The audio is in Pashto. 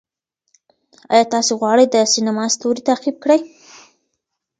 آیا تاسې غواړئ د سینما ستوری تعقیب کړئ؟